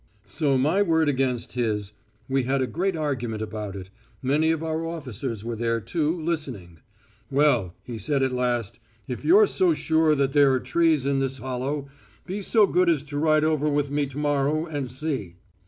So, my word against his, we had a great argument about it; many of our officers were there too, listening. 'Well,' he said at last, 'if you're so sure that there are trees in this hollow, be so good as to ride over with me to morrow and see.